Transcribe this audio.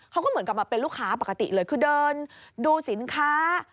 เขาก็เหมือนกลับมาเป็นลูกค้าปกติเลยคือเดินดูสินค้า